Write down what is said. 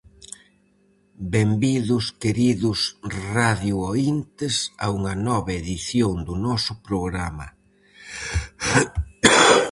Benvidos, queridos radiooíntes, a unha nova edición do noso programa.